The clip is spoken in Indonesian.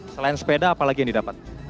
selain sepeda apa lagi yang didapat